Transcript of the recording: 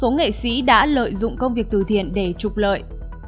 nghệ sĩ đã lợi dụng công việc từ thiện để trục lợi